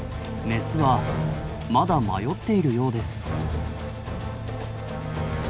メスはまだ迷っているようです。